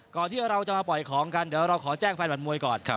ที่เราจะมาปล่อยของกันเดี๋ยวเราขอแจ้งแฟนบัตรมวยก่อน